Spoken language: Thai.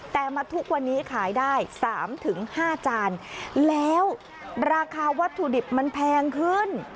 แต่มาทุกวันนี้ขายได้๓๕จานแล้วราคาวัตถุดิบมันแพงขึ้น